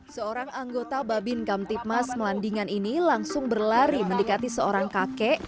seorang anggota babin kamtipmas melandingan ini langsung berlari mendekati seorang kakek